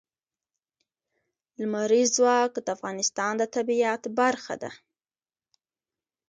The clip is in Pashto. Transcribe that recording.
لمریز ځواک د افغانستان د طبیعت برخه ده.